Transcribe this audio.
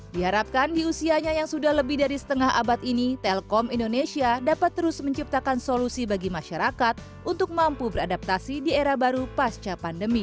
diharapkan di usianya yang sudah lebih dari setengah abad ini telkom indonesia dapat terus menciptakan solusi bagi masyarakat untuk mampu beradaptasi di era baru pasca pandemi